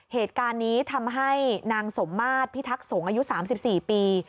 เหตุการณ์นี้ทำให้นางสมมาตรพิทักษงศ์อายุ๓๔ปี